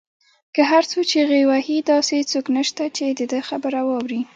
که هر څو چیغې وهي داسې څوک نشته، چې د ده خبره واوري